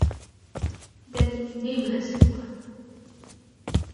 the "nameless" one.